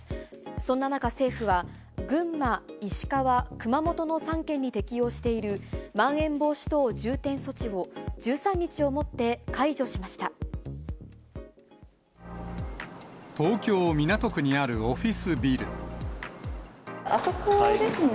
そんな中、政府は群馬、石川、熊本の３県に適用している、まん延防止等重点措置を、１３日東京・港区にあるオフィスビあそこですね。